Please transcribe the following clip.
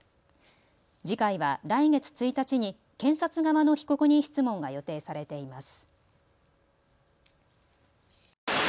次回は来月１日に検察側の被告人質問が予定されています。